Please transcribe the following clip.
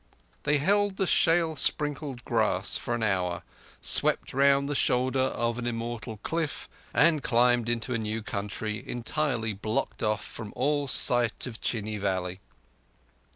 They held the shale sprinkled grass for an hour, swept round the shoulder of an immortal cliff, and climbed into a new country entirely blocked off from all sight of Chini valley.